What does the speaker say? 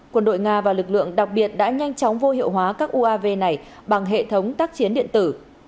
quân đội nga và lực lượng đặc biệt đã nhanh chóng vô hiệu hóa các uav này bằng hệ thống tác chiến điện tử